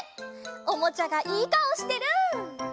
おもちゃがいいかおしてる！